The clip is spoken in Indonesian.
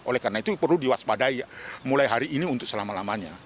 oleh karena itu perlu diwaspadai mulai hari ini untuk selama lamanya